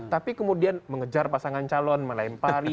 tapi kemudian mengejar pasangan calon melempari